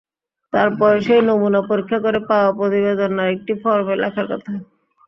তারপরে সেই নমুনা পরীক্ষা করে পাওয়া প্রতিবেদন আরেকটি ফরমে লেখার কথা।